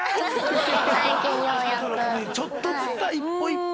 ちょっとずつ一歩一歩。